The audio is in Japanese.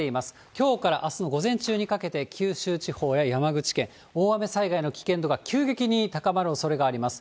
きょうからあすの午前中にかけて九州地方や山口県、大雨災害の危険度が急激に高まるおそれがあります。